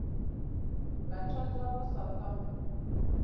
له چا ځان وساتم؟